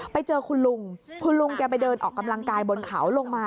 ไปเจอคุณลุงคุณลุงแกไปเดินออกกำลังกายบนเขาลงมา